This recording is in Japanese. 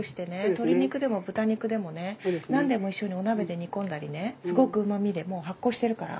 鶏肉でも豚肉でもね何でも一緒にお鍋で煮込んだりねすごくうまみでもう発酵してるから。